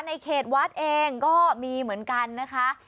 ในเขตวัดเองก็มีเหมือนกันนะคะ